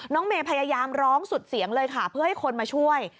เมย์พยายามร้องสุดเสียงเลยค่ะเพื่อให้คนมาช่วย